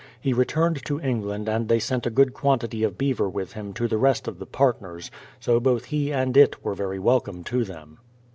He returned to England and they sent a good quantity of beaver with him to the rest of the partners ; so both he and it were very welcome to them.